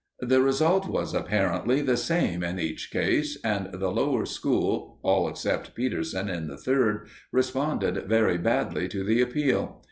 The result was apparently the same in each case, and the Lower School, all except Peterson in the Third, responded very badly to the appeal.